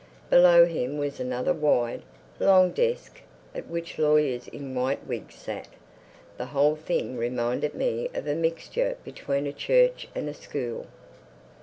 Below him was another wide, long desk at which lawyers in white wigs sat. The whole thing reminded me of a mixture between a church and a school.